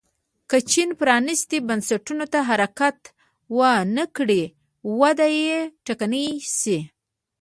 که چین پرانیستو بنسټونو ته حرکت ونه کړي وده یې ټکنۍ شي.